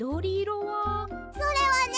それはね